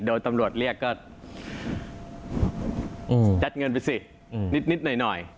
โดยตำรวจเรียกก็ยัดเงินไปสินิดหน่อย